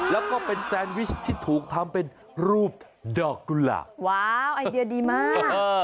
แล้วก็เป็นแซนวิชที่ถูกทำเป็นรูปดอกกุหลาบว้าวไอเดียดีมาก